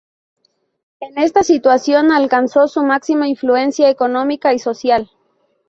En esta situación alcanzó su máxima influencia económica y social.